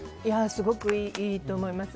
すごくいいと思います。